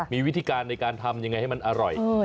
มีวิธีการในการทำยังไงให้มันอร่อย